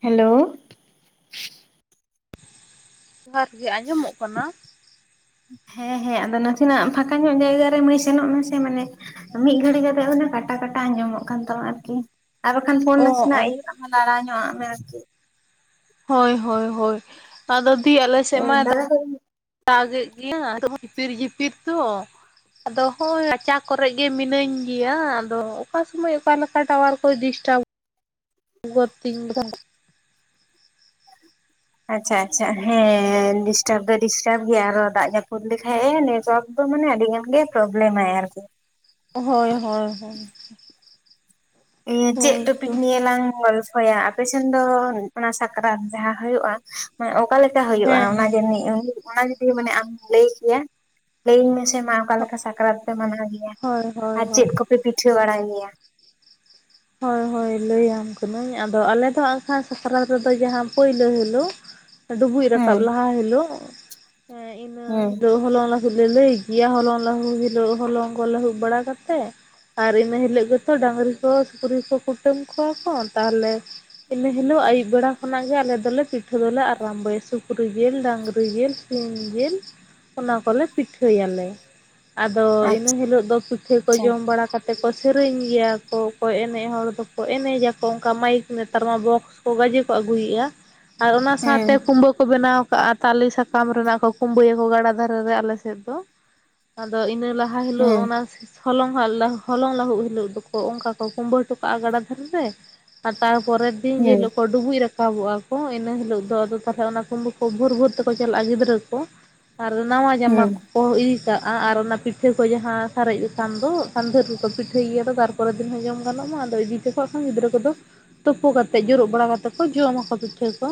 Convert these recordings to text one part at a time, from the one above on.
Hello ᱡᱚᱦᱟᱨ ᱜᱮ ᱟᱸᱡᱚᱢᱚᱜ ᱠᱟᱱᱟ ᱾ ᱦᱮᱸ ᱦᱮᱸ ᱟᱫᱚ ᱱᱟᱥᱮᱱᱟᱜ ᱯᱷᱟᱸᱠᱟ ᱧᱚᱜ ᱡᱟᱭᱜᱟ ᱨᱮ ᱢᱟᱹᱭ ᱥᱮᱱᱚᱜ ᱢᱮᱥᱮ ᱢᱟᱱᱮ ᱾ ᱢᱤᱫ ᱜᱷᱟᱹᱲᱤ ᱠᱟᱛᱮᱜ ᱦᱚᱞᱮ ᱠᱟᱴᱟ ᱠᱟᱴᱟ ᱟᱸᱡᱚᱢᱚᱜ ᱠᱟᱱ ᱛᱟᱢᱟ ᱟᱨᱠᱤ ᱾ ᱟᱨ ᱵᱟᱠᱷᱟᱱ ᱯᱷᱳᱱ ᱚ ᱚ ᱱᱟᱥᱮᱱᱟᱜ ᱤᱭᱟᱹ ᱟᱦ ᱞᱟᱲᱟᱣ ᱧᱚᱜ ᱟᱜ ᱢᱮ ᱟᱨᱠᱤ ᱾ ᱦᱳᱭ ᱦᱳᱭ ᱦᱳᱭ ᱟᱫᱚ ᱫᱤᱭ ᱟᱞᱮ ᱥᱮᱫ ᱢᱟᱭ ᱫᱟᱜ ᱫᱟᱫᱟ ᱠᱚ ᱫᱟᱜ ᱮᱜ ᱜᱮᱭᱟᱭ ᱟᱫᱚ ᱡᱤᱯᱤᱨ ᱡᱤᱯᱤᱨ ᱛᱚ᱾ ᱟᱫᱚ ᱦᱚᱸᱜᱚᱭ ᱨᱟᱪᱟ ᱠᱚᱨᱮᱜ ᱜᱮ ᱢᱤᱱᱟᱹᱧ ᱜᱮᱭᱟ ᱟᱫᱚ ᱚᱠᱟ ᱥᱩᱢᱟᱹᱭ ᱚᱠᱟᱞᱮᱠᱟᱭ ᱴᱟᱣᱟᱨ ᱠᱚᱭ ᱰᱤᱥᱴᱟᱵ ᱜᱚᱫ ᱛᱤᱧ ᱫᱚ᱾ ᱟᱪᱪᱷᱟ ᱟᱪᱪᱷᱟ ᱦᱮᱸ ᱰᱤᱥᱴᱟᱯ ᱫᱚ ᱰᱤᱥᱴᱟᱯ ᱜᱮᱭᱟ ᱟᱨᱚ ᱫᱟᱜ ᱡᱟᱯᱩᱫ ᱞᱮᱠᱷᱟᱡ ᱮ ᱱᱮᱴᱣᱭᱟᱹᱠ ᱫᱚ ᱢᱟᱱᱮ ᱟᱹᱰᱤ ᱜᱟᱱ ᱜᱮ ᱯᱨᱚᱵᱞᱮᱢᱟᱭ ᱟᱨᱠᱤ᱾ ᱦᱳᱭ ᱦᱳᱭ ᱦᱳᱭ᱾ ᱤᱭᱟᱹ ᱪᱮᱫ ᱦᱳᱭ ᱛᱚ ᱴᱚᱯᱤᱠ ᱱᱤᱭᱮ ᱞᱟᱝ ᱜᱚᱞ ᱯᱷᱚᱭᱟ ᱟᱯᱮ ᱥᱮᱱ ᱫᱚ ᱚᱱᱟ ᱥᱟᱠᱨᱟᱛ ᱡᱟᱦᱟᱸ ᱦᱩᱭᱩᱜᱼᱟ ᱚᱠᱟ ᱞᱮᱠᱟ ᱦᱩᱭᱩᱜᱼᱟ ᱦᱮᱸ ᱚᱱᱟ ᱦᱮᱸ ᱡᱟᱹᱱᱤᱡ ᱚᱱᱟ ᱡᱩᱫᱤ ᱢᱟᱱᱮ ᱟᱢ ᱞᱟᱹᱭ ᱠᱮᱭᱟ ᱞᱟᱹᱭᱟᱹᱧ ᱢᱮᱥᱮ ᱢᱟ ᱟᱢ᱾ ᱚᱠᱟ ᱞᱮᱠᱟ ᱥᱟᱠᱨᱟᱹᱛ ᱯᱮ ᱢᱟᱱᱟᱣ ᱜᱮᱭᱟ ᱦᱳᱭ ᱦᱳᱭ ᱟᱨ ᱦᱳᱭ ᱪᱮᱫ ᱠᱚᱯᱮ ᱯᱤᱴᱷᱟᱹ ᱵᱟᱲᱟᱭ ᱜᱮᱭᱟ? ᱦᱳᱭ ᱦᱳᱭ ᱞᱟᱹᱭᱟᱢ ᱠᱟᱹᱱᱟᱹᱧ ᱟᱫᱚ ᱟᱞᱮ ᱫᱚ ᱦᱟᱸᱜᱠᱷᱟᱱ ᱥᱟᱠᱨᱟᱹᱛ ᱨᱮᱫᱚ ᱡᱟᱦᱟᱸ ᱯᱩᱭᱞᱳ ᱦᱤᱞᱳᱜ [inaudible] ᱰᱩᱵᱩᱡ ᱨᱟᱠᱟᱵ ᱦᱩᱸ ᱞᱟᱦᱟ ᱦᱤᱞᱚᱜ ᱦᱮᱸ ᱤᱱᱟᱹ ᱦᱩᱸ ᱦᱤᱞᱚᱜ ᱦᱚᱞᱚᱝ ᱞᱟᱹᱦᱩᱫ ᱞᱮ ᱞᱟᱹᱭ ᱜᱮᱭᱟ᱾ ᱦᱚᱞᱚᱝ ᱞᱟᱹᱦᱩᱫ ᱦᱤᱞᱳᱜ ᱦᱚᱞᱚᱝ ᱠᱚ ᱞᱟᱹᱦᱩᱫ ᱵᱟᱲᱟ ᱠᱟᱛᱮ᱾ ᱟᱨ ᱤᱱᱟᱹ ᱦᱤᱞᱳᱜ ᱜᱮᱛᱚ ᱰᱟᱝᱨᱤ ᱠᱚ ᱥᱤᱠᱨᱤ ᱠᱚ ᱠᱩᱴᱟᱹᱢ ᱠᱚᱣᱟ ᱠᱚ ᱛᱟᱦᱚᱞᱮ ᱤᱱᱟᱹ ᱦᱤᱞᱳᱜ ᱟᱹᱭᱩᱵ ᱵᱮᱲᱟ ᱠᱷᱚᱱᱟᱜ ᱜᱮ ᱟᱞᱮ ᱫᱚᱞᱮ ᱯᱤᱴᱷ ᱯᱤᱴᱷᱟᱹ ᱫᱚᱞᱮ ᱟᱨᱟᱢᱵᱭᱟ ᱥᱩᱠ ᱥᱩᱠᱨᱤ ᱡᱤᱞ, ᱰᱟᱝᱨᱤ ᱡᱤᱞ ᱥᱤᱢ ᱡᱤᱞ ᱚᱱᱟ ᱠᱚᱞᱮ ᱯᱤᱴᱷᱟᱹᱭᱟᱞᱮ᱾ ᱟᱫᱚ ᱤᱱᱟᱹ ᱟᱪᱪᱷᱟ ᱦᱤᱞᱳᱜ ᱫᱚ ᱯᱤᱴᱷᱟᱹ ᱠᱚ ᱡᱚᱢ ᱵᱟᱲᱟ ᱠᱟᱛᱮᱫ ᱠᱚ ᱥᱮᱨᱮᱧ ᱜᱮᱭᱟ ᱠᱚ᱾ ᱦᱳᱭ ᱮᱱᱮᱡ ᱦᱚᱲ ᱫᱚᱠᱚ ᱮᱱᱮᱡᱟᱠᱚ ᱚᱱᱠᱟ ᱢᱟᱭᱤᱠ ᱱᱮᱛᱟᱨ ᱢᱟ ᱵᱚᱠᱥ ᱠᱚ ᱜᱟᱡᱮ ᱠᱚ ᱟᱹᱜᱩᱭᱮᱫᱼᱟ᱾ ᱟᱨ ᱚᱱᱟ ᱦᱩᱸ ᱥᱟᱶᱛᱮ ᱠᱩᱢᱵᱟᱹ ᱠᱚ ᱵᱮᱱᱟᱣ ᱠᱟᱜᱼᱟ᱾ ᱛᱟᱞᱮ ᱥᱟᱠᱟᱢ ᱨᱮᱱᱟᱜ ᱠᱚ ᱠᱩᱢᱵᱟᱹᱭᱟᱠᱚ ᱜᱟᱰᱟ ᱫᱷᱟᱨᱮ ᱨᱮ ᱟᱞᱮᱥᱮᱫ ᱫᱚ᱾ ᱟᱫᱚ ᱤᱱᱟᱹ ᱞᱟᱦᱟ ᱦᱟ ᱦᱤᱞᱳᱜ ᱦᱩᱸ ᱚᱱᱟ ᱦᱚᱞᱚᱝ ᱦᱟᱜ ᱞᱟ ᱦᱚᱞᱚᱝ ᱞᱟᱹᱦᱩᱫ ᱦᱤᱞᱳᱜ ᱫᱚᱠᱚ ᱚᱱᱠᱟ ᱠᱚ ᱠᱩᱢᱵᱟᱹ ᱦᱚᱴᱚ ᱠᱟᱜᱼᱟ ᱜᱟᱰᱟ ᱫᱟᱱ ᱨᱮ ᱟᱨ ᱛᱟᱨᱯᱚᱨᱮᱨ ᱫᱤᱱ ᱡᱮ ᱦᱩᱸ ᱦᱤᱞᱳ ᱠᱚ ᱰᱩᱵᱩᱡ ᱨᱟᱠᱟᱵᱚᱜᱼᱟ ᱠᱚ ᱤᱱᱟᱹ ᱦᱤᱞᱳᱜ ᱫᱚ ᱟᱫᱚ ᱛᱟᱦᱚᱞᱮ ᱚᱱᱟ ᱠᱩᱸᱵᱩ ᱠᱚ ᱵᱷᱳᱨ ᱵᱷᱳᱨ ᱛᱮᱠᱚ ᱪᱟᱞᱟᱜᱼᱟ ᱜᱤᱫᱽᱨᱟᱹ ᱠᱚ᱾ ᱟᱨ ᱱᱟᱣᱟ ᱡᱟᱢᱟ ᱦᱩᱸ ᱠᱚ ᱠᱚ ᱤᱫᱤ ᱠᱟᱜᱼᱟ ᱟᱨ ᱚᱱᱟ ᱯᱤᱴᱷᱟᱹ ᱠᱚ ᱡᱟᱦᱟᱸ ᱥᱟᱨᱮᱡ ᱮᱠᱟᱱ ᱫᱚ ᱟᱠᱷᱟᱱ ᱫᱷᱮᱨ ᱜᱮ ᱠᱚ ᱯᱤᱴᱷᱟᱹᱭᱟ ᱛᱚ ᱛᱟᱯᱚᱨᱮ ᱫᱤᱱ ᱦᱚᱸ ᱡᱚᱢ ᱜᱟᱱᱚᱜ ᱢᱟ᱾ ᱟᱫᱚ ᱤᱫᱤ ᱛᱮᱠᱚ ᱟᱠᱷᱟᱱ ᱜᱤᱫᱽᱨᱟᱹ ᱠᱚᱫᱚ ᱛᱩᱯᱩ ᱠᱟᱛᱮᱫ ᱡᱩᱨᱩᱜ ᱵᱟᱲᱟ ᱠᱟᱛᱮᱫ ᱠᱚ ᱡᱚᱢᱟ ᱠᱚ ᱯᱤᱴᱷᱟᱹ ᱠᱚ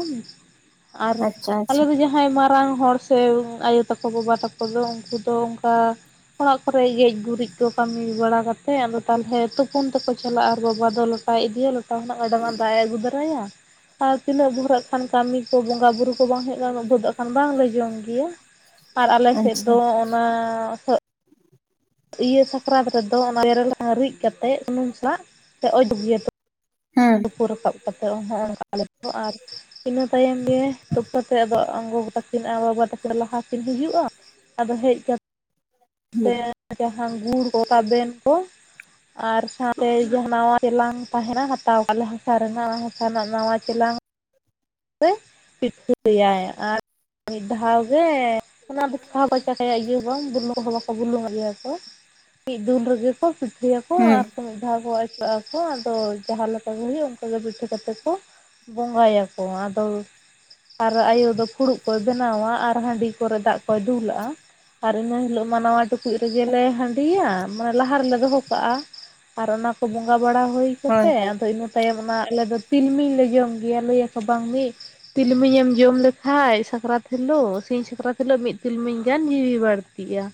ᱟᱨ ᱟᱪᱪᱷᱟ ᱟᱞᱮ ᱟᱪᱪᱷᱟ ᱫᱚ ᱡᱟᱦᱟᱸ ᱡᱟᱦᱟᱸᱭ ᱢᱟᱨᱟᱝ ᱦᱚᱲ ᱥᱮ ᱟᱭᱳ ᱛᱟᱠᱚ ᱵᱟᱵᱟ ᱛᱟᱠᱚ ᱫᱚ ᱩᱱᱠᱩ ᱫᱚ ᱚᱱᱠᱟ ᱚᱲᱟᱜ ᱠᱚᱨᱮ ᱜᱮᱡ ᱜᱩᱨᱤᱡ ᱠᱚ ᱠᱟᱹᱢᱤ ᱵᱟᱲᱟ ᱠᱟᱛᱮᱫ ᱟᱫᱚ ᱛᱟᱦᱚᱞᱮ ᱛᱩᱯ ᱯᱩᱱ ᱛᱮᱠᱚ ᱪᱟᱞᱟᱜᱼᱟ ᱟᱨ ᱵᱟᱵᱟ ᱫᱚ ᱞᱚᱴᱟᱭ ᱤᱫᱤᱭᱟ, ᱞᱚᱴᱟ ᱠᱷᱚᱱᱟᱜ ᱜᱟᱰᱟᱝ ᱨᱮᱱᱟᱜ ᱫᱟᱜ ᱮ ᱟᱹᱜᱩ ᱫᱟᱨᱟᱭᱟ᱾ ᱟᱨ ᱛᱤᱱᱟᱹᱜ ᱵᱷᱚᱨᱟᱹᱜ ᱦᱟᱜ ᱠᱷᱟᱱ ᱠᱟᱹᱢᱤ ᱠᱚ ᱵᱚᱸᱜᱟ ᱵᱩᱨᱩ ᱠᱚ ᱵᱟᱝ ᱦᱳᱭᱜ ᱠᱟᱱ ᱩᱱᱟᱹᱜ ᱵᱷᱚᱨ ᱫᱚ ᱦᱟᱜ ᱠᱷᱟᱱ ᱵᱟᱝᱞᱮ ᱡᱚᱢ ᱜᱮᱭᱟ᱾ ᱟᱨ ᱟᱞᱮ ᱥᱮᱫ ᱟᱪᱪᱷᱟ ᱫᱚ ᱚᱱᱟ ᱤᱭᱟᱹ ᱥᱟᱠᱨᱟᱛ ᱨᱮᱫᱚ ᱚᱱᱟ ᱵᱮᱨᱮᱞ ᱥᱟᱥᱟᱝ ᱨᱤᱫ ᱠᱟᱛᱮᱫ ᱥᱩᱱᱩᱢ ᱥᱟᱞᱟᱜ ᱛᱮ ᱚᱡᱟᱜ ᱜᱤᱭᱟᱹ ᱠᱚ᱾ ᱦᱩᱸ ᱛᱩᱯᱩ ᱨᱟᱠᱟᱵ ᱠᱟᱛᱮᱫ ᱩᱱ ᱦᱚᱸ ᱚᱱᱠᱟ ᱟᱞᱮ ᱦᱟᱸ ᱟᱨ ᱤᱱᱟᱹ ᱛᱟᱭᱚᱢ ᱜᱮ ᱛᱩᱯᱩ ᱠᱟᱛᱮᱜ ᱜᱮ ᱟᱫᱚ ᱟᱢ ᱜᱟᱜᱚ ᱛᱟᱹᱠᱤᱱ ᱟᱨ ᱵᱟᱵᱟ ᱛᱟᱠᱤᱱ ᱞᱟᱦᱟ ᱠᱤᱱ ᱦᱩᱭᱩᱜᱼᱟ᱾ ᱟᱫᱚ ᱦᱮᱡ ᱠᱟᱛᱮ ᱦᱩᱸ ᱡᱟᱦᱟᱸ ᱜᱩᱲ ᱠᱚ ᱛᱟᱵᱮᱱ ᱠᱚ ᱟᱨ ᱥᱟᱶᱛᱮ ᱡᱟᱦᱟᱸ ᱱᱟᱣᱟ ᱪᱮᱞᱟᱝ ᱛᱟᱦᱮᱱᱟ ᱦᱟᱛᱟᱣ ᱟᱠᱟᱫ ᱞᱮ ᱦᱟᱥᱟ ᱨᱮᱱᱟᱜ ᱦᱟᱥᱟ ᱨᱮᱱᱟᱜ ᱱᱟᱶᱟ ᱪᱮᱞᱟᱝ᱾ ᱥᱮ ᱯᱤᱴᱷᱟᱹᱭᱟᱭ ᱟᱨ ᱢᱤᱫ ᱫᱷᱟᱣ ᱜᱮ ᱚᱱᱟ ᱫᱚ ᱪᱟᱠᱷᱟ ᱵᱟᱠᱚ ᱪᱟᱠᱷᱟᱭᱟ ᱤᱭᱟᱹ ᱦᱚ ᱵᱟᱝ ᱵᱩᱞᱩ ᱠᱚᱦᱚᱸ ᱵᱟᱠᱚ ᱵᱩᱞᱝ ᱟᱜ ᱜᱮᱭᱟ ᱠᱚ᱾ ᱢᱤᱫ ᱫᱩᱞ ᱨᱮᱜᱮ ᱠᱚ ᱥᱯᱟᱹᱭᱟᱠᱚ ᱦᱩᱸ ᱟᱨ ᱢᱤᱫ ᱫᱷᱟᱣ ᱠᱚ ᱟᱹᱪᱩᱨᱟᱜᱼᱟ ᱠᱚ ᱟᱫᱚ ᱡᱟᱦᱟᱸ ᱞᱮᱠᱟ ᱜᱮ ᱦᱩᱭᱩᱜ ᱚᱱᱠᱟ ᱜᱮ ᱯᱤᱴᱷᱟᱹ ᱠᱟᱛᱮ ᱠᱚ ᱵᱚᱸᱜᱟᱭᱟ ᱠᱚ᱾ ᱠᱚ ᱟᱫᱚ - ᱟᱨ ᱟᱭᱳ ᱫᱚ ᱯᱷᱩᱲᱩᱜ ᱠᱚᱭ ᱵᱮᱱᱟᱣᱟ ᱟᱨ ᱦᱟᱺᱰᱤ ᱠᱚᱨᱮ ᱫᱟᱜ ᱠᱚᱭ ᱫᱩᱞᱟᱜᱼᱟ ᱾ ᱟᱨ ᱤᱱᱟᱹ ᱦᱤᱞᱳᱜ ᱢᱟ ᱱᱟᱣᱟ ᱴᱩᱠᱩᱡ ᱨᱮᱜᱮᱞᱮ ᱦᱟᱺᱰᱤᱭᱟ ᱢᱟᱱᱮ ᱞᱟᱦᱟ ᱨᱮᱞᱮ ᱫᱚᱦᱚ ᱠᱟᱜᱼᱟ᱾ ᱟᱨ ᱚᱱᱟ ᱠᱚ ᱵᱚᱸᱜᱟ ᱵᱟᱲᱟ ᱦᱩᱭ ᱦᱳᱭ ᱠᱟᱛᱮ ᱦᱳᱭ ᱟᱫᱚ ᱤᱱᱟᱹ ᱛᱟᱭᱚᱢ ᱚᱱᱟ ᱟᱞᱮ ᱫᱚ ᱛᱤᱞᱢᱤᱧ ᱞᱮ ᱡᱚᱢ ᱜᱮᱭᱟ ᱞᱟᱹᱭᱟᱠᱚ ᱵᱟᱝ ᱢᱤᱫ ᱛᱤᱞᱢᱤᱧᱮᱢ ᱡᱚᱢ ᱞᱮᱠᱷᱟᱡ ᱥᱟᱠᱨᱟᱹᱛ ᱦᱤᱞᱳᱜ ᱥᱤᱧ ᱥᱟᱠᱨᱟᱹᱛ ᱦᱤᱞᱳᱜ ᱢᱤᱫ ᱛᱤᱞᱢᱤᱧ ᱜᱟᱱ ᱡᱤᱣᱤ ᱵᱟᱲ ᱛᱤᱜᱼᱟ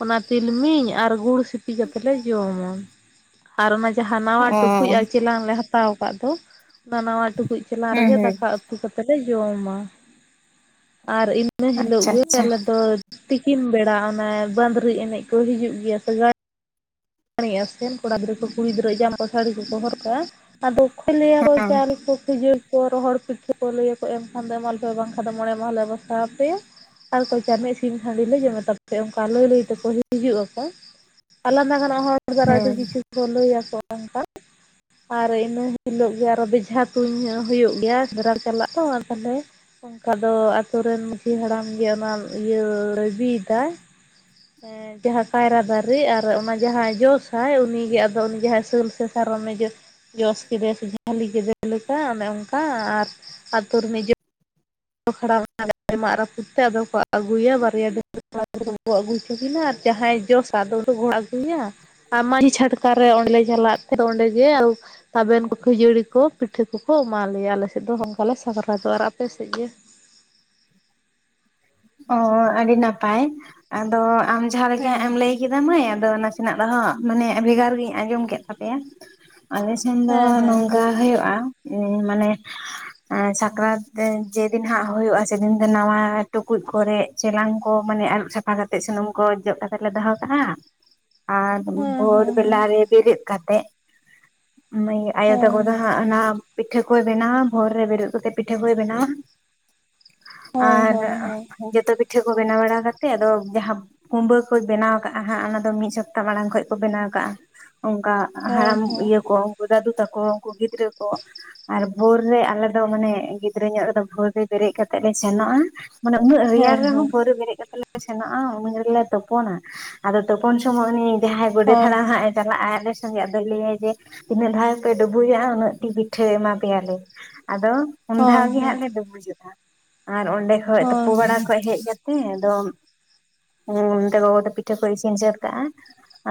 ᱚᱱᱟ ᱛᱤᱞᱢᱤᱧ ᱟᱨ ᱜᱩᱲ ᱥᱤᱯᱤ ᱠᱟᱛᱮ ᱞᱮ ᱡᱚᱢᱟ ᱟᱨ ᱚᱱᱟ ᱡᱟᱦᱟᱸ ᱱᱟᱶᱟ ᱚ ᱴᱩᱠᱩᱡ ᱟᱨ ᱪᱮᱞᱟᱝ ᱞᱮ ᱦᱟᱛ -ᱛᱟᱣ ᱟᱠᱟᱫ ᱫᱚ ᱚᱱᱟ ᱱᱟᱣᱟ ᱴᱩᱠᱩᱡ ᱪᱮᱞᱟᱝ ᱦᱩᱸ ᱨᱮᱜᱮ ᱫᱟᱠ ᱦᱩᱸ ᱫᱟᱠᱟ ᱩᱛᱩ ᱠᱟᱛᱮᱞ ᱞᱮ ᱡᱚᱢᱟ ᱟᱨ ᱤᱱᱟᱹ ᱦᱤᱞᱳᱜ ᱟᱪᱪᱷᱟ ᱜᱮ ᱟᱪᱪᱷᱟ ᱟᱞᱮ ᱫᱚ ᱛᱤᱠᱤᱱ ᱵᱮᱲᱟ ᱚᱱᱮ ᱵᱟᱸᱫᱽᱨᱤ ᱮᱱᱮᱡ ᱠᱚ ᱦᱤᱡᱩᱜ ᱜᱮᱭᱟ ᱥᱮ ᱟᱥᱮᱱ ᱠᱚᱲᱟ ᱜᱤᱫᱽᱨᱟᱹ ᱠᱚ ᱠᱩᱲᱤ ᱜᱤᱫᱽᱨᱟᱹ ᱡᱟᱢ ᱠᱚ ᱥᱟᱹᱲᱤ ᱠᱚᱠᱚ ᱦᱚᱨ ᱠᱟᱜᱼᱟ᱾ ᱟᱨ ᱫᱩᱠᱷᱟ ᱞᱟᱹᱭ ᱟᱠᱚ ᱦᱮᱸ ᱪᱟᱣᱞᱮ ᱠᱚ ᱠᱷᱟᱡᱟᱹ [unintelligible] ᱨᱚᱦᱚᱲ ᱯᱤᱴᱷᱟᱹ ᱠᱚ ᱞᱟᱹᱭᱟᱠᱚ ᱮᱢᱠᱷᱟᱱ ᱫᱚ ᱮᱢᱟ ᱞᱮ ᱯᱮ ᱵᱟᱝᱠᱷᱟᱱ ᱫᱚ ᱢᱚᱬᱮ ᱢᱟᱦᱟᱞᱮ ᱵᱟᱥᱟ ᱟᱯᱮᱭᱟ, ᱟᱨ ᱠᱚᱪᱟ ᱨᱤᱱᱤᱡ ᱥᱤᱢ ᱦᱟᱺᱰᱤ ᱞᱮ ᱡᱚᱢᱮ ᱛᱟᱯᱮ ᱚᱱᱠᱟ ᱞᱟᱹᱭ ᱞᱟᱹᱭ ᱛᱮᱠᱚ ᱦᱤᱡᱩᱜ ᱟᱠᱚ, ᱟᱞᱟᱫᱟ ᱜᱟᱱ ᱦᱚᱭ [inaudible] ᱵᱷᱮᱨᱟᱭᱴᱤ ᱦᱩᱸ ᱠᱤᱪᱷᱩ ᱠᱚ [inaudible] ᱞᱟᱹᱭᱟᱠᱚ [inaudible] ᱟᱨ ᱤᱱᱟᱹ [inaudible] ᱦᱤᱞᱳᱜ ᱜᱮ ᱟᱨ ᱵᱮᱡᱷᱟ ᱛᱩᱧ ᱦᱩᱭᱩᱜ ᱜᱮᱭᱟ [unintelligible] ᱪᱟᱞᱟᱜ ᱛᱚᱹ ᱛᱟᱦᱞᱮ᱾ ᱚᱱᱠᱟ ᱫᱚ ᱟᱛᱩᱨᱮᱱ ᱢᱟᱺᱡᱷᱤ ᱦᱟᱲᱟᱢ ᱜᱮ ᱚᱱᱟ ᱤᱭᱟᱹ ᱨᱮᱹᱭ ᱞᱟᱹᱫᱤᱛ ᱫᱟᱭ᱾ ᱦᱮᱸ ᱡᱟᱦᱟᱜᱻ ᱠᱟᱭᱨᱟ ᱟᱨ ᱡᱟᱦᱟᱸ ᱠᱟᱭᱨᱟ ᱫᱟᱨᱮ ᱟᱨ ᱚᱱᱟ, ᱡᱟᱦᱟᱸᱭ ᱡᱚᱥᱟᱭ ᱩᱱᱤᱜᱮ ᱟᱫᱚ ᱩᱱᱤ ᱜᱮ ᱡᱟᱦᱟᱸᱭ ᱥᱟᱹᱞ ᱥᱮ ᱥᱟᱨᱚᱢᱮ ᱡᱚᱥ ᱡᱚᱥ ᱠᱮᱫᱮ ᱥᱮ ᱡᱷᱟᱹᱞᱤ ᱠᱮᱫᱮ ᱞᱮᱠᱟ ᱚᱱᱮ ᱚᱱᱠᱟ ᱟᱨ ᱟᱹᱛᱩ. [unintelligible] [unintelligible] ᱢᱟᱜ ᱨᱟᱹᱯᱩᱫ ᱛᱮ [unintelligible] [unintelligible] ᱡᱟᱦᱟᱸᱭ ᱡᱚᱥᱟ ᱟᱫᱚ ᱩᱱᱤ. [unintelligible] ᱟᱨ ᱢᱟᱺᱡᱷᱤ ᱪᱷᱟᱴᱠᱟ ᱨᱮ ᱚᱸᱰᱮᱞ ᱞᱮ ᱪᱟᱞᱟᱜ ᱛᱟᱦᱮᱸ ᱚᱸᱰᱮᱜᱮ, ᱛᱟᱵᱮᱱ ᱠᱚ ᱠᱷᱟᱹᱡᱟᱹᱲᱤ ᱠᱚ ᱯᱤᱴᱷᱟᱹ ᱠᱚᱠᱚ ᱮᱢᱟ ᱞᱮᱭᱟ ᱟᱞᱮ ᱥᱮᱫ ᱫᱚ ᱚᱱᱠᱟ ᱞᱮ ᱥᱟᱠᱟᱨᱟᱛᱚᱜ-ᱟ ᱟᱨ ᱟᱯᱮ ᱥᱮᱫ ᱜᱮ? ᱚ ᱟᱹᱰᱤ ᱱᱟᱯᱟᱭ ᱟᱫᱚ ᱟᱢ ᱡᱟᱦᱟᱸ ᱞᱮᱠᱟ ᱦᱟᱜ ᱦᱮᱸ ᱮᱢ ᱞᱟᱹᱭ ᱠᱮᱫ ᱢᱟᱹᱭ ᱟᱫᱚ ᱱᱟᱥᱮᱱᱟᱜ ᱫᱚ ᱦᱟᱸ ᱢᱟᱱᱮ ᱵᱷᱮᱜᱟᱨ ᱜᱤᱧ ᱟᱸᱡᱚᱢ ᱠᱮᱫ ᱛᱟᱯᱮᱭᱟ ᱟᱞᱮ ᱢᱮᱱ ᱫᱚ ᱦᱮᱸ ᱦᱮᱸ ᱱᱚᱝᱠᱟ ᱦᱮᱸ ᱦᱳᱭᱳᱜ-ᱟ᱾ ᱢᱟᱱᱮ ᱥᱟᱠᱨᱟᱛ ᱡᱮᱫᱤᱱ ᱦᱟᱸᱜ ᱦᱳᱭᱳᱜᱼᱟ ᱥᱮᱫᱤᱱ ᱫᱚ ᱱᱟᱣᱟ, ᱴᱩᱠᱩᱡ ᱠᱚᱨᱮ ᱪᱮᱞᱟᱝ ᱠᱚ ᱢᱟᱱᱮ ᱟᱹᱨᱩᱵ ᱥᱟᱯᱷᱟ ᱠᱟᱛᱮᱫ ᱥᱩᱱᱩᱢ ᱠᱚ ᱡᱚᱜ ᱠᱟᱛᱮ ᱞᱮ ᱫᱚᱦᱚ ᱠᱟᱜᱼᱟ᱾ ᱟᱨ ᱵᱷᱳᱨ ᱦᱮᱸ ᱵᱮᱞᱟ ᱨᱮ ᱵᱮᱨᱤᱫ ᱠᱟᱛᱮᱫ᱾ ᱟᱭᱳ ᱦᱮᱸ ᱛᱟᱠᱚ ᱦᱮᱸ ᱦᱟᱸᱜ ᱚᱱᱟ ᱯᱤᱴᱷᱟᱹ ᱠᱚᱭ ᱵᱮᱱᱟᱣᱟ ᱵᱷᱳᱨ ᱨᱮ ᱵᱮᱨᱮᱫ ᱠᱟᱛᱮᱫ ᱯᱤᱴᱷᱟᱹ ᱠᱚᱭ ᱵᱮᱱᱟᱣᱟ᱾ ᱦᱳᱭ ᱟᱨ ᱦᱳᱭ ᱦᱳᱭ ᱡᱚᱛᱚ ᱯᱤᱴᱷᱟᱹ ᱠᱚ ᱵᱮᱱᱟᱣ ᱵᱟᱲᱟ ᱠᱟᱛᱮᱫ ᱟᱫᱚ ᱡᱟᱦᱟᱸ ᱠᱩᱢᱵᱟᱹ ᱠᱚᱭ ᱵᱮᱱᱟᱣ ᱠᱟᱜᱼᱟ ᱦᱟᱸᱜ ᱚᱱᱟᱫᱚ ᱢᱤᱫ ᱥᱚᱯᱛᱷᱟ ᱢᱟᱲᱟᱝ ᱠᱷᱚᱡ ᱠᱚ ᱵᱮᱱᱟᱣ ᱠᱟᱜᱼᱟ, ᱚᱱᱠᱟ ᱦᱳᱭ ᱦᱳᱭ ᱦᱳᱭ ᱦᱟᱲᱟᱢ ᱦᱳᱭ ᱤᱭᱟᱹ ᱠᱚ ᱩᱱᱠᱩ ᱫᱟᱹᱫᱩ ᱛᱟᱠᱚ ᱩᱱᱠᱩ ᱜᱤᱫᱽᱨᱟᱹ ᱠᱚ ᱟᱨ ᱵᱷᱳᱨ ᱨᱮ ᱟᱞᱮ ᱫᱚ ᱢᱟᱱᱮ ᱜᱤᱫᱽᱨᱟᱹ ᱧᱚᱜ ᱨᱮᱫᱚ ᱵᱷᱳᱨ ᱨᱮ ᱵᱮᱨᱮᱫ ᱠᱟᱛᱮᱫ ᱞᱮ ᱥᱮᱱᱚᱜᱼᱟ, ᱢᱟᱱᱮ ᱩᱱᱟᱹᱜ ᱨᱮᱭᱟᱲ ᱦᱮᱸ ᱨᱮᱦᱚᱸ ᱦᱮᱸ ᱵᱷᱳᱨ ᱨᱮ ᱵᱮᱨᱮᱫ ᱠᱟᱛᱮᱞᱮ ᱥᱮᱱᱚᱜᱼᱟ ᱩᱱ ᱜᱮᱞᱮ ᱛᱳᱯᱳᱱᱟ, ᱟᱫᱚ ᱛᱳᱯᱚᱱ ᱥᱚᱢᱚᱭ ᱩᱱᱤ ᱡᱟᱦᱟᱭ ᱜᱳᱰᱮᱛ ᱦᱳᱭ ᱦᱟᱲᱟᱢ ᱦᱟᱸᱜᱼᱮ ᱪᱟᱞᱟᱜᱼᱟ ᱟᱞᱮ ᱥᱚᱸᱜᱮ ᱟᱫᱚᱭ ᱞᱟᱹᱭ-ᱟ ᱡᱮ ᱛᱤᱱᱟᱹᱜ ᱫᱷᱟᱣ ᱯᱮ ᱰᱩᱵᱩᱡᱚᱜᱼᱟ ᱩᱱᱟᱹᱜ ᱴᱤ ᱯᱤᱴᱷᱟᱹ ᱮᱢᱟ ᱯᱮᱭᱟᱞᱮ᱾ ᱟᱫᱚ ᱩᱱ ᱫᱷᱟᱣ ᱦᱳᱭ ᱜᱮ ᱦᱳᱭ ᱦᱟᱸᱜ ᱞᱮ ᱰᱩᱵᱩᱡᱚᱜᱼᱟ ᱟᱨ ᱚᱸᱰᱮ ᱠᱷᱚᱡ ᱛᱩᱯᱩ ᱦᱳᱭ ᱵᱟᱲᱟ ᱦᱳᱭ, ᱠᱷᱚᱡ ᱦᱮᱡ ᱠᱟᱛᱮ ᱟᱫᱚ ᱚᱱᱛᱮ ᱜᱚᱜᱚ ᱫᱚ ᱯᱤᱴᱷᱟᱹ ᱠᱚᱭ ᱤᱥᱤᱱ ᱥᱟᱹᱛ ᱠᱟᱜᱼᱟ᱾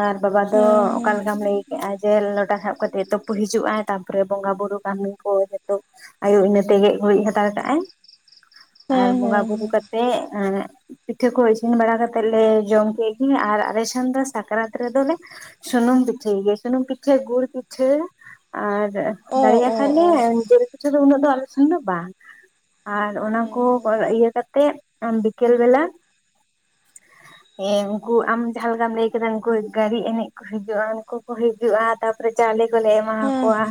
ᱟᱨ ᱵᱟᱵᱟ ᱫᱚ ᱦᱮᱸ ᱦᱮᱸ ᱚᱠᱟ ᱦᱮᱸ ᱞᱮᱠᱟᱢ ᱵᱷᱟᱹᱜᱤ ᱠᱮᱼᱟ ᱡᱮ ᱞᱚᱴᱟ ᱥᱟᱵ ᱠᱟᱛᱮᱜ ᱮ ᱛᱳᱯᱳ ᱦᱤᱡᱩᱜᱼᱟ ᱛᱟᱯᱚᱨᱮ ᱵᱚᱸᱜᱟ ᱵᱩᱨᱩ ᱠᱟᱹᱢᱤ ᱠᱚ ᱮᱛᱚᱵ ᱟᱭᱳ ᱤᱱᱟᱹᱛᱮ ᱜᱮᱡ ᱜᱩᱨᱤᱡ ᱦᱟᱛᱟᱲ ᱠᱟᱜᱼᱟᱭ, ᱟᱨ ᱵᱚᱝᱜᱟ ᱵᱩᱨᱩ ᱠᱟᱛᱮᱜ ᱮᱻ ᱯᱤᱴᱷᱟᱹ ᱠᱚ ᱤᱥᱤᱱ ᱵᱟᱲᱟ ᱠᱟᱛᱮᱫ ᱞᱮ ᱡᱚᱢ ᱠᱮᱜ ᱜᱤ ᱟᱨ ᱟᱞᱮ ᱥᱮᱱ ᱫᱚ ᱥᱟᱠᱟᱨᱟᱛ ᱨᱮᱫᱚᱞᱮ ᱥᱩᱱᱩᱢ ᱯᱤᱴᱷᱟᱹ ᱜᱮ ᱥᱩᱱᱩᱢ ᱯᱤᱴᱷᱟᱹ ᱜᱩᱲ ᱯᱤᱴᱷᱟᱹ ᱟᱨ ᱚ ᱫᱟᱲᱮᱭᱟᱜ ᱚ ᱠᱷᱟᱱ ᱞᱮ ᱚ ᱡᱮᱞ ᱯᱤᱴᱷᱟᱹ ᱫᱚ ᱩᱱᱟᱹᱜ ᱫᱚ ᱟᱞᱮ ᱥᱮᱱ ᱫᱚ ᱵᱟᱝ ᱟᱨ ᱚᱱᱟ ᱦᱮᱸ ᱠᱚ ᱦᱮᱸ ᱚᱨ ᱤᱭᱟᱹ ᱠᱟᱛᱮ ᱵᱤᱠᱮᱞ ᱵᱮᱞᱟ ᱮᱸ ᱩᱱᱠᱩ ᱟᱢ ᱡᱟᱦᱟᱸ ᱞᱮᱠᱟᱢ ᱞᱟᱹᱭ ᱠᱮᱫᱟ ᱩᱱᱠᱩ ᱜᱟᱹᱲᱤ ᱮᱱᱮᱡ ᱠᱚ ᱦᱤᱡᱩᱜᱼᱟ ᱩᱱᱠᱩ ᱠᱚ ᱦᱤᱡᱩᱜᱼᱟ᱾ ᱛᱟᱯᱚᱨᱮ ᱪᱟᱣᱞᱮ ᱠᱚᱞᱮ ᱮᱢᱟ ᱦᱮᱸ ᱦᱟᱠᱚᱣᱟ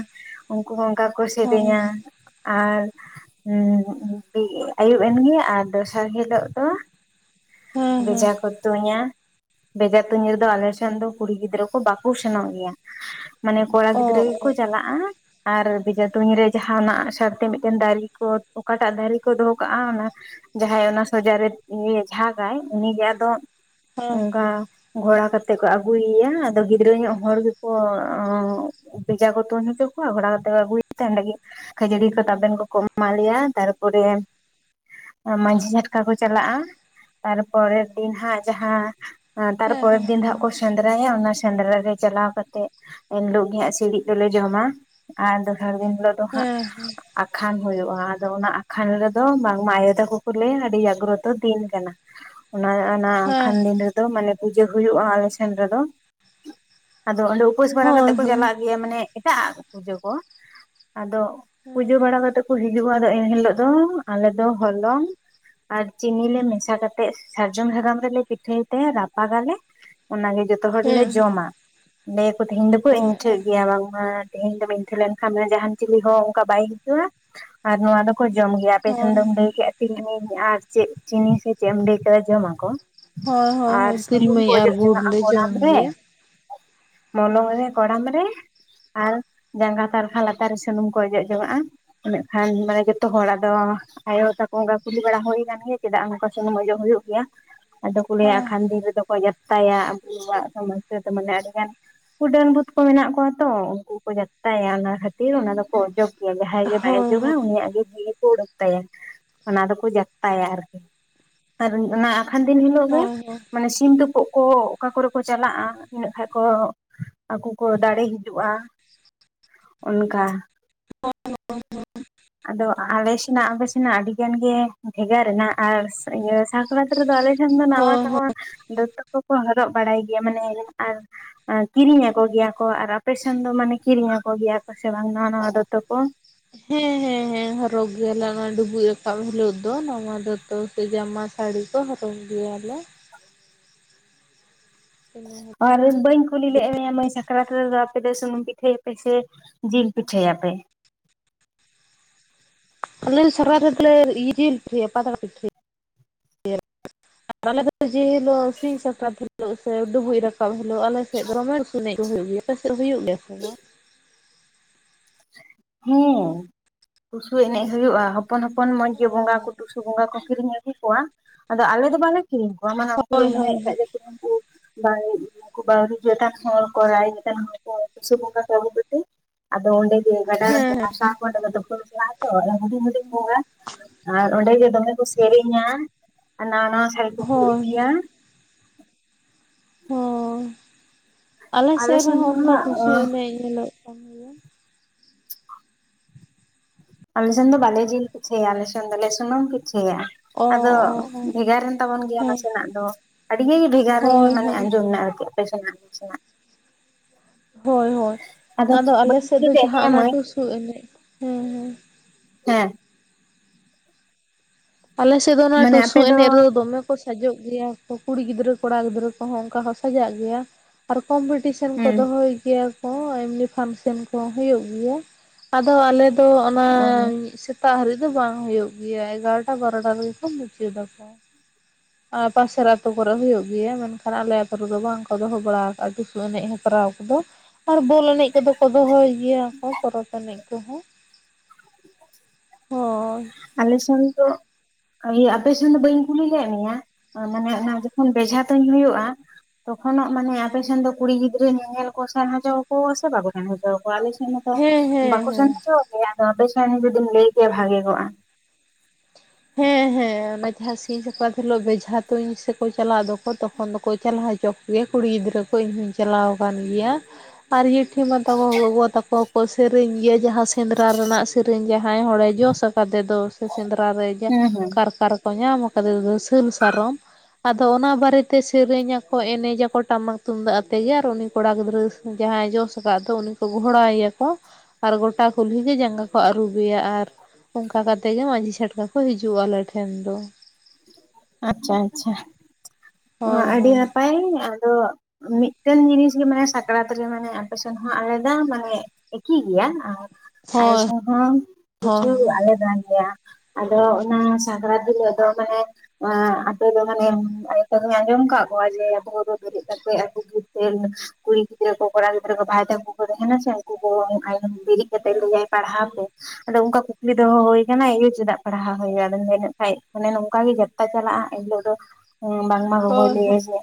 ᱩᱱᱠᱩ ᱦᱚᱸ ᱚᱱᱠᱟ ᱠᱚ ᱦᱮᱸ ᱥᱮᱨᱮᱧᱟ᱾ ᱟᱨ [unintelligible] ᱟᱹᱩᱵ ᱮᱱᱜᱤ ᱟᱨ ᱫᱚᱥᱟᱨ ᱦᱤᱞᱚᱜ ᱫᱚ ᱦᱮᱸ ᱦᱮᱸ ᱦᱮᱸ ᱵᱮᱡᱟ ᱠᱚ ᱛᱩᱧᱟ ᱵᱮᱡᱟ ᱛᱩᱧ ᱨᱮᱫᱚ ᱟᱞᱮ ᱥᱮᱱ ᱫᱚ ᱠᱩᱲᱤ ᱜᱤᱫᱽᱨᱟᱹ ᱠᱚ ᱵᱟᱠᱩ ᱥᱮᱱᱚᱜ ᱜᱮᱭᱟ᱾ ᱢᱟᱱᱮ ᱠᱚᱲᱟ ᱚ ᱜᱤᱫᱽᱨᱟᱹ ᱚ ᱜᱮᱠᱚ ᱪᱟᱞᱟᱜᱼᱟ᱾ ᱟᱨ ᱵᱮᱡᱟ ᱛᱩᱧ ᱨᱮ ᱡᱟᱦᱟᱱᱟᱜ ᱥᱟᱨᱛᱮ ᱢᱤᱫᱴᱮᱱ ᱫᱟᱨᱮ ᱠᱚ ᱚᱠᱟᱴᱟᱜ ᱫᱟᱨᱮ ᱠᱚ ᱫᱚᱦᱚ ᱠᱟᱜᱼᱟ ᱚᱱᱟ ᱡᱟᱦᱟᱸᱭ ᱚᱱᱟ ᱥᱚᱡᱟᱨ ᱨᱮ ᱡᱟᱜᱟᱭ ᱩᱱᱤᱜᱮ ᱟᱫᱚ ᱦᱮᱸ ᱚᱱᱠᱟ ᱜᱷᱚᱲᱟ ᱠᱟᱛᱮᱫ ᱠᱚ ᱟᱹᱜᱩᱭᱮᱭᱟ ᱟᱫᱚ ᱜᱤᱫᱽᱨᱟᱹ ᱧᱚᱜ ᱦᱚᱲ ᱜᱮᱠᱚ ᱵᱮᱡᱟ ᱠᱚ ᱛᱩᱧ ᱚᱪᱚ ᱠᱚᱣᱟ ᱜᱷᱚᱲᱟ ᱠᱟᱛᱮ ᱟᱹᱜᱩᱭ ᱮᱛᱮ ᱚᱰᱮ ᱜᱮ ᱠᱷᱟᱹᱡᱟᱹᱲᱤ ᱠᱚ ᱛᱟᱵᱮᱱ ᱠᱚᱠᱚ ᱮᱢ ᱞᱮᱭᱟ ᱛᱟᱨᱯᱚᱨᱮ ᱢᱟᱹᱡᱷᱤ ᱡᱷᱟᱴᱠᱟ ᱠᱚ ᱪᱟᱞᱟᱜᱼᱟ ᱛᱟᱨᱯᱚᱨᱮᱨ ᱫᱤᱱ ᱦᱟᱸᱜ ᱡᱟᱦᱟᱸ ᱦᱮᱸ ᱛᱟᱨᱯᱚᱨᱮᱨ ᱫᱤᱱ ᱫᱟᱜ ᱠᱚ ᱮᱸᱫᱽᱨᱟᱭᱟ ᱚᱱᱟ ᱥᱮᱸᱫᱽᱨᱟ ᱨᱮ ᱪᱟᱞᱟᱣ ᱠᱟᱛᱮᱜ ᱮᱱᱦᱤᱞᱳᱜ ᱜᱮ ᱦᱟᱸᱜ ᱥᱤᱲᱤᱡ ᱫᱚᱞᱮ ᱡᱚᱢᱟ᱾ ᱟᱨ ᱫᱚᱥᱟᱨ ᱫᱤᱱ ᱦᱤᱞᱳᱜ ᱫᱚ ᱦᱟᱸᱜ ᱦᱮᱸ ᱟᱠᱷᱟᱱ ᱦᱩᱭᱩᱜᱼᱟ ᱟᱫᱚ ᱚᱱᱟ ᱟᱠᱷᱟᱱ ᱨᱮᱫᱚ ᱵᱟᱝᱢᱟ ᱟᱭᱳ ᱛᱟᱠᱚ ᱠᱚ ᱞᱟᱹᱭᱟ ᱟᱹᱰᱤ ᱡᱟᱜᱽᱚᱛᱚ ᱫᱤᱱ ᱠᱟᱱᱟ᱾ ᱚᱱᱟ ᱚᱱᱟ ᱦᱮᱸ ᱟᱠᱷᱟᱱ ᱫᱤᱱ ᱨᱮ ᱫᱚ ᱢᱟᱱᱮ ᱯᱩᱡᱟᱹ ᱦᱩᱭᱩᱜᱼᱟ ᱟᱞᱮ ᱥᱮᱱ ᱨᱮᱫᱚ ᱟᱫᱚ ᱚᱸᱰᱮ ᱩᱯᱟᱹᱥ ᱵᱟᱲᱟ ᱠᱟᱛᱮᱜ ᱦᱳᱭ ᱠᱚ ᱦᱳᱭ ᱪᱟᱞᱟᱜ ᱜᱮᱭᱟ ᱢᱟᱱᱮ ᱮᱴᱟᱜ ᱯᱩᱡᱟᱹ ᱠᱚ ᱟᱫᱚ ᱯᱩᱡᱟᱹ ᱦᱮᱸ ᱵᱟᱲᱟ ᱠᱟᱛᱮ ᱠᱚ ᱦᱤᱡᱩᱜᱼᱟ ᱟᱫᱚ ᱮᱱᱦᱤᱞᱚᱜ ᱫᱚ ᱟᱞᱮ ᱫᱚ ᱦᱚᱞᱚᱝ ᱟᱨ ᱪᱤᱱᱤ ᱞᱮ ᱢᱮᱥᱟ ᱠᱟᱛᱮ ᱥᱟᱨᱡᱚᱢ ᱥᱟᱠᱟᱢ ᱨᱮᱞᱮ ᱯᱤᱴᱷᱟᱹᱭ ᱛᱮ ᱨᱟᱯᱟᱜᱟᱞᱮ᱾ ᱚᱱᱟᱜᱮ ᱡᱚᱛᱚ ᱦᱚᱲ ᱞᱮ ᱦᱮᱸ ᱦᱮᱸ ᱡᱚᱢᱟ ᱞᱟᱹᱭ ᱟᱠᱚ ᱛᱤᱦᱤᱧ ᱫᱩᱠᱩ ᱚ ᱤᱱᱴᱷᱟᱹᱜ ᱦᱳᱭ ᱜᱮᱭᱟ, ᱵᱟᱝ ᱢᱟ ᱛᱮᱦᱮᱧ ᱫᱚ ᱤᱱᱴᱷᱟᱹᱜ ᱞᱮᱱ ᱠᱷᱟᱱ ᱡᱟᱦᱟᱱ ᱪᱤᱞᱤ ᱦᱚᱸ ᱚᱱᱠᱟ ᱵᱟᱭ ᱦᱤᱡᱩᱜᱼᱟ ᱟᱨ ᱱᱚᱣᱟ ᱫᱚ ᱠᱚ ᱡᱚᱢ ᱜᱮᱭᱟ ᱟᱯᱮ ᱥᱮᱱ ᱫᱚᱢ ᱦᱳᱭ ᱞᱟᱹᱭ ᱠᱮᱫᱼᱟ ᱛᱤᱞᱢᱤᱧ ᱟᱨ ᱪᱮᱫ ᱪᱤᱱᱤ ᱥᱮ ᱪᱮᱫ ᱮᱢ ᱞᱟᱹᱭ ᱠᱮᱫᱟ ᱡᱚᱢᱟ ᱠᱚ᱾ ᱦᱳᱭ ᱟᱨ ᱦᱳᱭ ᱥᱩᱱᱩᱢ ᱠᱚ ᱛᱤᱞᱢᱤᱧ ᱟᱨ ᱚᱡᱚᱜ ᱜᱩᱲ ᱡᱚᱝᱟᱜ ᱟᱠᱚ ᱞᱮ ᱡᱚᱢ ᱠᱚᱲᱟᱢ ᱨᱮ᱾ ᱜᱮᱭᱟ ᱢᱚᱞᱚᱝ ᱦᱮᱸ ᱨᱮ ᱠᱚᱲᱟᱢ ᱨᱮ ᱟᱨ ᱡᱟᱸᱜᱟ ᱛᱟᱨᱠᱷᱟ ᱞᱟᱛᱟᱨ ᱨᱮ ᱥᱩᱱᱩᱢ ᱠᱚ ᱚᱡᱚᱜᱽ ᱡᱚᱝᱟᱜᱼᱟ᱾ ᱤᱱᱟᱹᱜᱠᱷᱟᱱ ᱢᱟᱱᱮ ᱡᱚᱛᱚ ᱦᱚᱲᱟᱜ ᱫᱚ ᱟᱭᱳᱼ ᱛᱟᱠ ᱚᱱᱠᱟ ᱠᱩᱞᱤ ᱵᱟᱲᱟ ᱦᱩᱭ ᱠᱟᱱ ᱜᱮᱭᱟ ᱪᱮᱫᱟᱜ ᱱᱚᱝᱠᱟ ᱥᱩᱱᱩᱢ ᱚᱡᱚᱜ ᱦᱩᱭᱩᱜ ᱜᱮᱭᱟ ᱟᱫᱚ ᱠᱚ ᱞᱟᱹᱭᱟ ᱟᱠᱷᱟᱱ ᱫᱤᱱ ᱨᱮᱫᱚ ᱠᱚ ᱚᱡᱟᱜ ᱛᱟᱭᱟ ᱟᱵᱚᱣᱟᱜ ᱥᱚᱢᱚᱥᱟ ᱫᱚ ᱢᱟᱱᱮ ᱟᱹᱰᱤᱜᱟᱱ ᱩᱰᱟᱹᱱ ᱵᱷᱩᱛ ᱠᱚ ᱢᱮᱱᱟᱜ ᱠᱚᱣᱟ ᱛᱚ ᱩᱱᱠᱩ ᱠᱚ ᱡᱟᱛᱟᱭᱟ ᱚᱱᱟ ᱠᱷᱟᱹᱛᱤᱨ ᱚᱱᱟ ᱫᱚᱠᱚ ᱚᱡᱚᱜ ᱡᱟᱦᱟᱸᱭ ᱜᱮ ᱵᱟᱭ ᱦᱳᱭ ᱟᱸᱡᱚᱜᱟ ᱦᱳᱭ ᱩᱱᱤᱭᱟᱜ ᱜᱮ ᱛᱤ ᱠᱚ ᱚᱰᱚᱠ ᱛᱟᱭᱟ᱾ ᱚᱱᱟ ᱫᱚᱠᱚ ᱡᱟᱠᱛᱟᱭᱟ ᱟᱨᱠᱤ ᱟᱨ ᱚᱱᱟ ᱠᱷᱟᱱ ᱫᱤᱱ ᱦᱤᱞᱳᱜ ᱜᱮ ᱦᱳᱭ ᱦᱳᱭ ᱢᱟᱱᱮ ᱥᱤᱢ ᱛᱩᱯᱩᱜ ᱠᱚ ᱚᱠᱟ ᱠᱚᱨᱮ ᱠᱚ ᱪᱟᱞᱟᱜᱼᱟ ᱤᱱᱟᱹᱜ ᱠᱷᱟᱱ ᱠᱚ ᱟᱠᱚ ᱠᱚ ᱫᱟᱲᱮ ᱦᱤᱡᱩᱜᱼᱟ᱾ ᱚᱱᱠᱟ ᱟᱫᱚ ᱟᱞᱮ ᱥᱮᱱᱟᱜ ᱟᱯᱮ ᱥᱮᱱᱟᱜ ᱟᱹᱰᱤ ᱟᱹᱰᱤ ᱜᱟᱱ ᱜᱮ ᱵᱷᱮᱜᱟᱨ ᱮᱱᱟ ᱟᱨ ᱤᱭᱟᱹ ᱥᱟᱠᱨᱟᱛ ᱨᱮᱫᱚ ᱟᱞᱮ ᱮᱱᱠᱷᱟᱱ ᱫᱚ ᱱᱟᱣᱟ ᱦᱳᱭ ᱦᱳᱭ ᱱᱟᱣᱟ ᱫᱚᱛᱚ ᱠᱚᱠᱚ ᱦᱚᱨᱚᱜ ᱵᱟᱲᱟᱭ ᱜᱮᱭᱟ ᱢᱟᱱᱮ ᱟᱨ ᱠᱤᱨᱤᱧ ᱟᱠᱚᱜᱮᱭᱟ ᱠᱚ ᱟᱨ ᱟᱯᱮᱥᱮᱱ ᱫᱚ ᱢᱟᱱᱮ ᱠᱤᱨᱤᱧ ᱟᱠᱚ ᱜᱮᱭᱟ ᱠᱚ ᱥᱮ ᱵᱟᱝ ᱱᱟᱣᱟ ᱱᱟᱣᱟ ᱫᱚᱛᱚ ᱠᱚ᱾ ᱦᱮᱸ ᱦᱮᱸ ᱦᱮᱸ᱾ ᱦᱚᱨᱚᱜ ᱜᱮᱭᱟᱞᱮ ᱚᱱᱟ ᱰᱩᱵᱩᱡ ᱨᱟᱠᱟᱵ ᱦᱤᱞᱳᱜ ᱫᱚ ᱱᱟᱣᱟ ᱫᱚᱛᱚ ᱥᱮ ᱡᱟᱢᱟ ᱥᱟᱹᱲᱤ᱾ ᱠᱚ ᱦᱚᱨᱚᱜ ᱜᱮᱭᱟᱞᱮ, [inaudible] ᱟᱨ ᱵᱟᱹᱧ ᱠᱩᱞᱤ ᱞᱮᱫ ᱢᱮᱭᱟ ᱢᱟᱹᱭ ᱥᱟᱠᱨᱟᱛ ᱨᱮᱫᱚ ᱟᱯᱮ ᱥᱩᱱᱩᱢ ᱯᱤᱴᱷᱟᱹᱭ ᱟᱯᱮ ᱥᱮ ᱡᱤᱞ ᱯᱤᱴᱷᱟᱹᱭᱟ ᱯᱮ? ᱟᱞᱮ ᱥᱟᱠᱨᱟᱛ ᱨᱮᱫᱚ ᱞᱮ ᱡᱤᱞ ᱯᱤᱴᱷᱟᱹᱭᱟ ᱯᱟᱛᱲᱟ ᱯᱤᱴᱷᱟᱹᱭᱟ ᱞᱮ᱾ ᱟᱨ ᱟᱞᱮ ᱫᱚ ᱡᱮ ᱦᱤᱞᱳᱜ ᱥᱤᱧ ᱥᱟᱠᱨᱟᱛ ᱦᱤᱞᱳᱜ ᱥᱮ ᱰᱩᱵᱩᱡ ᱨᱟ ᱠᱟᱵ ᱦᱤᱞᱳᱜ ᱟᱞᱮ ᱥᱮᱫ ᱫᱚᱢᱮ ᱴᱩᱥᱩ ᱮᱱᱮᱡ ᱠᱚ ᱦᱳᱭᱳᱜ ᱜᱮᱭᱟ, ᱟᱯᱮ ᱥᱮᱫ ᱦᱳᱭᱳᱜᱼᱟ ᱥᱮ ᱵᱟᱝ? ᱦᱮᱸ᱾ ᱴᱩᱥᱩ ᱮᱱᱮᱡ ᱦᱩᱭᱩᱜᱼᱟ ᱦᱚᱯᱚᱱ ᱦᱚᱯᱚᱱ ᱢᱚᱡᱽ ᱜᱮ ᱚ ᱵᱚᱸᱜᱟ ᱠᱚ ᱴᱩᱥᱩ ᱵᱚᱸᱜᱟ ᱠᱚ ᱠᱤᱨᱤᱧ ᱟᱹᱜᱩ ᱠᱚᱣᱟ ᱟᱫᱚ ᱟᱞᱮ ᱫᱚ ᱵᱟᱞᱮ ᱠᱤᱨᱤᱧ ᱠᱚᱣᱟ ᱢᱟᱱᱮ ᱩᱱᱠᱩ ᱫᱚ ᱦᱳᱭ ᱢᱟᱱᱮ ᱦᱳᱭ ᱮᱴᱟᱜ ᱦᱮᱸ ᱡᱟᱹᱛᱤ ᱨᱮᱱ ᱠᱩ [unintelligible] ᱩᱱᱠᱩ ᱵᱟᱣᱨᱤ ᱡᱟᱹᱛ [unintelligible] ᱴᱩᱥᱩ ᱵᱚᱝᱜᱟ ᱠᱚ ᱟᱜᱩ ᱠᱚᱛᱮ ᱟᱫᱚ ᱚᱸᱰᱮ ᱜᱮ ᱜᱟᱰᱟᱨᱮ ᱠᱚ ᱦᱮᱸ ᱵᱷᱟᱥᱟᱣ ᱠᱳᱣᱟ ᱛᱚ ᱟᱫᱚ ᱚᱸᱰᱮ ᱜᱮ ᱪᱟᱞᱟᱜ ᱟᱠᱚ ᱟᱫᱚ ᱦᱩᱰᱤᱧ ᱦᱩᱰᱤᱧ ᱵᱚᱸᱜᱟ, ᱟᱨ ᱚᱸᱰᱮᱜᱮ ᱫᱚᱢᱮ ᱠᱚ ᱥᱮᱨᱮᱧᱟ ᱟᱨ ᱱᱟᱣᱟ ᱱᱟᱣᱟ ᱥᱟᱹᱲᱤ ᱠᱚᱠᱚ ᱦᱳᱭ ᱤᱫᱤᱭᱟ᱾ ᱦᱳᱭ ᱟᱞᱮ ᱥᱮᱫ ᱥᱮᱱ ᱨᱮᱦᱚᱸ ᱫᱚ ᱦᱟᱸᱜ ᱚᱱᱠᱟ ᱴᱩᱥᱩ ᱮᱱᱮᱡ ᱧᱮᱞᱚᱜ ᱠᱟᱱ ᱜᱮᱭᱟ [unintelligible] ᱟᱞᱮ ᱥᱮᱱ ᱫᱚ ᱵᱟᱞᱮ ᱡᱤᱞ ᱯᱤᱴᱷᱟᱹᱭᱟ ᱟᱞᱮ ᱥᱮᱱ ᱫᱚ ᱞᱮ ᱥᱩᱱᱩᱢ ᱯᱤᱴᱷᱟᱹᱭᱟ ᱚ ᱟᱫᱚ ᱚ ᱚ ᱦᱮᱸ ᱵᱷᱮᱜᱟᱨ ᱮᱱ ᱛᱟᱵᱚᱱ ᱜᱮᱭᱟ ᱱᱟᱥᱮᱱᱟᱜ ᱫᱚ ᱟᱹᱰᱤ ᱜᱮ ᱵᱷᱮ ᱦᱳᱭ [inaudible] ᱢᱟᱱᱮ ᱦᱳᱭ ᱟᱡᱚᱢᱱᱟ ᱟᱨᱠᱤ ᱟᱯᱮ ᱥᱮᱱᱟᱜ ᱟᱞᱮ‌ ᱥᱮᱱᱟᱜ ᱦᱳᱭ ᱦᱳᱭ ᱟᱫᱚ ᱵᱟᱹᱧ ᱟᱞᱮᱥᱮᱫ ᱠᱩᱞᱤ ᱫᱚ ᱞᱮᱫ ᱡᱟᱦᱟᱸ ᱢᱮᱭᱟ ᱚᱱᱟ ᱢᱟᱹᱭ ᱴᱩᱥᱩ ᱮᱱᱮᱡ ᱦᱮᱸ ᱦᱮᱸ᱾ ᱦᱮᱸ᱾ ᱟᱞᱮᱥᱮᱫ ᱫᱚ ᱚᱱᱟ ᱢᱟᱱᱮ ᱴᱩᱥᱩ ᱟᱯᱮ ᱫᱚ ᱮᱱᱮᱡ ᱨᱮᱫᱚ ᱫᱚᱢᱮ ᱠᱚ ᱥᱟᱡᱚᱜ ᱜᱮᱭᱟ, ᱠᱚ ᱠᱩᱲᱤ ᱜᱤᱫᱽᱨᱟᱹ ᱠᱚᱲᱟ ᱜᱤᱫᱽᱨᱟᱹ ᱠᱚᱦᱚᱸ ᱚᱱᱠᱟ ᱦᱚᱸ ᱥᱟᱡᱟᱜ ᱜᱮᱭᱟ, ᱟᱨ ᱠᱚᱢᱯᱤᱴᱤᱥᱮᱱ ᱠᱚ ᱦᱩᱸ ᱫᱚᱦᱚᱭ ᱜᱮᱭᱟ᱾ ᱠᱚ ᱮᱢᱱᱤ ᱯᱷᱟᱱᱥᱮᱱ ᱠᱚ ᱦᱩᱭᱩᱜ ᱜᱮᱭᱟ, ᱟᱫᱚ ᱟᱞᱮ ᱫᱚ ᱚᱱᱟ ᱥᱮ ᱛᱟᱜ ᱦᱟᱹᱨᱤᱡ ᱫᱚ ᱵᱟᱝ ᱦᱩᱭᱩᱜ ᱜᱮᱭᱟ ᱮᱜᱟᱨᱚᱴᱟ ᱵᱟᱨᱚᱴᱟ ᱨᱮᱜᱮ ᱠᱚ ᱢᱩᱪᱟᱹ ᱫᱟᱠᱚ᱾ [inaudible] ᱟ ᱯᱟᱥᱮᱨ ᱟᱹᱛᱩᱳ ᱠᱚᱨᱮᱜ ᱦᱩᱭᱩᱜ ᱜᱮᱭᱟ ᱢᱮᱱᱠᱷᱟᱱ ᱟᱞᱮ ᱟᱹᱛᱩ ᱨᱮᱫᱚ ᱵᱟᱝ ᱠᱚ ᱫᱚᱦᱚ ᱵᱟᱲᱟ ᱠᱟᱜ-ᱟ ᱴᱩᱥᱩ ᱮᱱᱮᱡ ᱦᱮᱯᱨᱟᱣ ᱠᱚᱫᱚ᱾ ᱟᱨ ᱵᱚᱞ ᱮᱱᱮᱡ ᱠᱚᱫᱚ ᱠᱚ ᱫᱚᱦᱚᱭ ᱜᱮᱭᱟ ᱠᱚ ᱯᱚᱨᱚᱵᱽ ᱮᱱᱮᱡ ᱠᱚᱦᱚᱸ ᱦᱳᱭ᱾ ᱟᱞᱮᱥᱮᱱ ᱫᱚ ᱤᱭᱟᱹ ᱟᱯᱮᱥᱚᱱ ᱫᱚ ᱵᱟᱹᱧ ᱠᱩᱞᱤ ᱞᱮᱫ ᱢᱮᱭᱟ ᱢᱟᱱᱮ ᱚᱱᱟ ᱡᱚᱠᱷᱚᱱ ᱵᱷᱮᱡᱷᱟ ᱛᱩᱧ ᱦᱩᱭᱩᱜᱼᱟ, ᱛᱚᱠᱷᱚᱱᱟᱜ ᱢᱟᱱᱮ ᱟᱯᱮᱥᱮᱱ ᱫᱚ ᱠᱩᱲᱤ ᱜᱤᱫᱽᱨᱟᱹ ᱧᱮᱧᱮᱞ ᱠᱚ ᱥᱮᱱ ᱦᱚᱪᱚᱣᱟᱠᱚᱣᱟ ᱥᱮ ᱵᱟᱠᱚ ᱥᱮᱱ ᱦᱚᱪᱚᱣᱟ ᱟᱞᱮ ᱥᱮᱱ ᱫᱚ ᱫᱚ ᱦᱮᱸ ᱦᱮᱸ ᱵᱟᱠᱚ ᱦᱮᱸ ᱥᱮᱱ ᱦᱚᱪᱚᱣᱭᱟᱠᱚᱣᱟ ᱟᱫᱚ ᱟᱯᱮ ᱥᱮᱱ ᱡᱩᱫᱤᱢ ᱞᱮᱭ ᱠᱮᱭᱟ ᱵᱷᱟᱜᱤ ᱠᱚᱜ-ᱟ᱾ ᱦᱮᱸ ᱦᱮᱸ ᱚᱱᱟ ᱡᱷᱟ ᱥᱤᱧ ᱥᱟᱠᱨᱟᱛ ᱦᱤᱞᱳᱜ ᱵᱮᱡᱷᱟ ᱛᱩᱧ ᱥᱮᱠᱚ ᱪᱟᱞᱟᱜᱣ ᱫᱚᱠᱚ ᱛᱚᱠᱷᱚᱱ ᱫᱚᱠᱚ ᱪᱟᱞᱟᱣ ᱦᱚᱪᱚ ᱤᱭᱟᱹ ᱠᱩᱲᱤ ᱜᱤᱫᱽᱨᱟᱹ ᱠᱚ ᱤᱧ ᱦᱚᱧ ᱪᱟᱞᱟᱣ ᱠᱟᱱ ᱜᱮᱭᱟ, ᱟᱨ ᱡᱮ ᱴᱷᱤ ᱢᱟᱛᱟᱠᱚ ᱜᱚᱜᱚ ᱛᱟᱠᱚ ᱠᱚ ᱥᱮᱨᱮᱧ ᱜᱮᱭᱟ ᱡᱟᱦᱟᱸ ᱥᱮᱸᱫᱽᱨᱟ ᱨᱮᱱᱟᱜ ᱥᱮᱨᱮᱧ ᱡᱟᱦᱟᱸᱭ ᱦᱚᱲᱮ ᱡᱚᱥ ᱠᱟᱫᱮ ᱫᱚ ᱥᱮ ᱥᱮᱸᱫᱽᱨᱟ ᱨᱮ ᱡᱟ ᱦᱩᱸ ᱦᱩᱸ ᱠᱟᱨᱠᱟᱨ ᱠᱚ ᱧᱟᱢ ᱠᱟᱫᱮ ᱫᱚ ᱥᱟᱞ ᱥᱟᱨᱚᱢ ᱟᱫᱚ ᱚᱱᱟ ᱵᱟᱨᱮᱛᱮ ᱥᱮᱨᱮᱧᱟ ᱠᱚ ᱮᱱᱮᱡᱟᱠᱚ ᱴᱟᱢᱟᱠ ᱛᱩᱢᱫᱟᱜ ᱟᱛᱮᱜ ᱟᱨ ᱩᱱᱤ ᱠᱚᱲᱟ ᱜᱤᱫᱽᱨᱟᱹ ᱡᱟᱦᱟᱸᱭ ᱡᱚᱥ ᱠᱟᱫ ᱫᱚ ᱩᱱᱤ ᱠᱚ ᱜᱷᱳᱲᱟᱭᱮᱭᱟ ᱠᱚ, ᱟᱨ ᱜᱚᱴᱟ ᱠᱩᱞᱦᱤ ᱜᱮ ᱡᱟᱸᱜᱟ ᱠᱚ ᱟᱹᱨᱩᱵᱮᱭᱟ ᱟᱨ ᱚᱱᱠᱟ ᱠᱟᱛᱮ ᱜᱮ ᱢᱟᱹᱡᱷᱤ ᱪᱷᱟᱴᱠᱟ ᱠᱚ ᱠᱚ ᱦᱤᱡᱩᱜ-ᱟ ᱟᱞᱮ ᱴᱷᱮᱱ ᱫᱚ ᱟᱪᱪᱷᱟ ᱟᱪᱪᱷᱟ ᱦᱳᱭ ᱟᱹᱰᱤ ᱦᱳᱭ ᱱᱟᱯᱟᱭ ᱟᱨ ᱟᱫᱚ ᱢᱤᱫᱴᱮᱱ ᱡᱤᱱᱤᱥ ᱜᱮ ᱢᱟᱱᱮ ᱥᱟᱠᱨᱟᱛ ᱨᱮ ᱢᱟᱱᱮ ᱟᱯᱮᱥᱮᱱ ᱦᱚᱸ ᱟᱞᱟᱫᱟ ᱢᱟᱱᱮ ᱮᱠᱤ ᱜᱮᱭᱟ ᱟᱨ ᱟᱞᱮ ᱦᱳᱭ ᱥᱮᱱ ᱦᱚᱸ ᱦᱳᱭ ᱠᱤᱪᱷᱩ ᱟᱞᱟᱫᱟ ᱜᱮᱭᱟ᱾ ᱟᱫᱚ ᱚᱱᱟ ᱥᱟᱠᱨᱟᱛ ᱦᱤᱞᱳᱜ ᱫᱚ ᱢᱟᱱᱮ ᱟᱸᱻ ᱟᱯᱮ ᱫᱚ ᱢᱟᱱᱮ ᱟᱸᱡᱚᱢ ᱠᱟᱜ ᱠᱚᱣᱟ ᱡᱮ ᱟᱵᱚ ᱠᱚᱫᱚ ᱵᱮᱨᱮᱫ ᱠᱟᱛᱮ [unintelligible] ᱠᱩᱲᱤ ᱜᱤᱫᱽᱨᱟᱹ ᱠᱚᱲᱟ ᱜᱤᱫᱽᱨᱟᱹ ᱠᱚ ᱵᱷᱟᱭ ᱛᱟᱠᱚ ᱠᱚ ᱛᱟᱦᱮᱱᱟ ᱩᱝᱠᱩ ᱠᱚ ᱟᱭᱼᱼ ᱵᱤᱨᱤᱫ ᱠᱟᱛᱮᱜ ᱦᱳᱭ ᱞᱟᱹᱭᱟᱭ ᱯᱟᱲᱦᱟᱣ ᱠᱚ ᱟᱫᱚ ᱚᱱᱠᱟ ᱠᱩᱠᱞᱤ ᱫᱚᱦᱚ ᱦᱩᱭ ᱠᱟᱱᱟ ᱮᱭᱳ ᱪᱮᱫᱟᱜ ᱯᱟᱲᱦᱟᱣ ᱦᱩᱭᱩᱜ-ᱟ ᱟᱫᱚ ᱞᱟᱹᱭᱟ ᱠᱷᱟᱡ ᱢᱟᱱᱮ ᱱᱚᱝᱠᱟ ᱜᱮ ᱠᱟ ᱪᱟᱞᱟᱜ-ᱟ ᱮᱱᱦᱤᱞᱳᱜ ᱫᱚ ᱵᱟᱝᱢᱟ ᱜᱚᱜᱚᱭ ᱦᱳᱭ ᱞᱟᱹᱭᱟ ᱡᱮ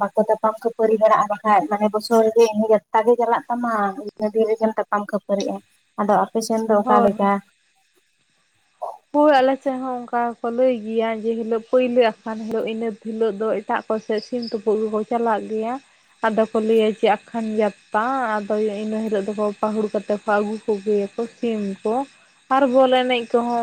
ᱵᱟᱠᱚ ᱛᱟᱯᱟᱢ ᱠᱷᱟᱹᱯᱟᱹᱨᱤ ᱢᱮᱱᱟᱜᱼᱟ ᱵᱟᱠᱷᱟᱡ ᱢᱟᱱᱮ ᱵᱚᱪᱷᱚᱨᱮᱜᱮ ᱤᱱᱟᱹ ᱡᱟᱛᱟᱜ ᱜᱮ ᱪᱟᱞᱟᱜ ᱛᱟᱢᱟ ᱤᱱᱟᱹ ᱫᱤ ᱨᱮᱜᱮᱢ ᱛᱟᱯᱟᱢ ᱠᱷᱟᱹᱯᱟᱹᱨᱤᱜ-ᱟ ᱟᱫᱚ ᱟᱯᱮᱥᱮᱱ ᱫᱚ ᱚᱠᱟ ᱦᱳᱭ ᱞᱮᱠᱟ ᱦᱳᱭ ᱟᱞᱮ ᱥᱮᱫ ᱦᱚᱸ ᱚᱝᱠᱟ ᱠᱚ ᱞᱟᱹᱭ ᱜᱤᱭᱟ ᱡᱮ ᱦᱤᱞᱳᱜ ᱯᱩᱭᱞᱳ ᱟᱠᱷᱟᱱ ᱦᱤᱞᱳᱜ ᱤᱱᱟᱹ ᱦᱤᱞᱳᱜ ᱫᱚ ᱴᱟᱜ ᱠᱚᱥᱮᱜ ᱥᱤᱢ ᱛᱩᱯᱩᱜ ᱠᱚᱠᱚ ᱪᱟᱞᱟᱜ ᱜᱮᱭᱟ ᱟᱫᱚ ᱠᱚ ᱞᱟᱹᱭ ᱟ ᱡᱮ ᱟᱠᱷᱟᱱ ᱡᱟᱛᱯᱟ ᱟᱫᱚ ᱤᱱᱟᱹ ᱦᱤᱞᱳᱜ ᱫᱚ ᱠᱚ ᱯᱟᱹᱦᱩᱲ ᱠᱟᱛᱮ ᱠᱚ ᱟᱹᱜᱩ ᱠᱚᱜᱮᱭᱟᱠᱚ ᱥᱤᱢ ᱠᱚ ᱟᱨ ᱵᱚᱞ ᱮᱱᱮᱡ ᱠᱚᱦᱚᱸ